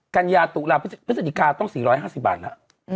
กัญญาตุลาพฤศจิกาต้อง๔๕๐บาทแล้ว